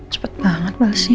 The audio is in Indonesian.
cepat banget balasnya